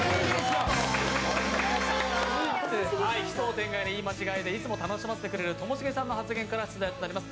奇想天外な言い間違いでいつも楽しませてくれるともしげさんの発言から出題となります。